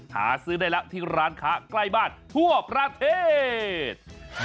หาซื้อได้แล้วที่ร้านค้าใกล้บ้านทั่วประเทศ